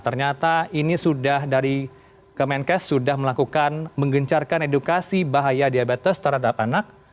ternyata ini sudah dari kemenkes sudah melakukan menggencarkan edukasi bahaya diabetes terhadap anak